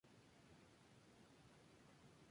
Aprendió lengua de signos con dieciocho años.